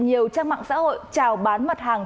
nhiều trang mạng xã hội trào bán mặt hàng